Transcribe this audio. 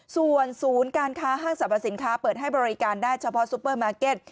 ส่วนศูนย์การค้าห้างสรรพสินค้าเปิดให้บริการได้เฉพาะซุปเปอร์มาร์เก็ต